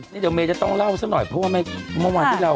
นี่เดี๋ยวเมย์จะต้องเล่าซะหน่อยเพราะว่าเมื่อวานที่เรา